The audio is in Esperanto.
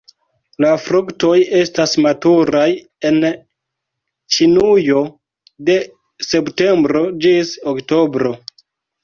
La fruktoj estas maturaj en Ĉinujo de septembro ĝis oktobro.